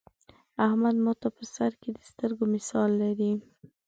احمد ماته په سر کې د سترگو مثال لري.